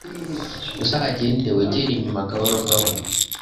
Uzagenda wegera inyuma gahoro gahoro